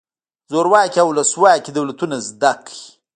زورواکي او ولسواکي دولتونه زده کړئ.